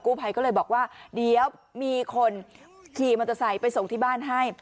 ภัยก็เลยบอกว่าเดี๋ยวมีคนขี่มอเตอร์ไซค์ไปส่งที่บ้านให้